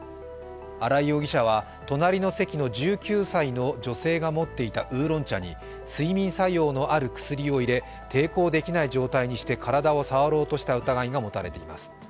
荒井容疑者は隣の席の１９歳の女性が持っていたウーロン茶に睡眠作用のある薬を入れ抵抗できない状態にして体を触ろうとした疑いが持たれています。